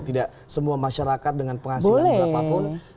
tidak semua masyarakat dengan penghasilan berapapun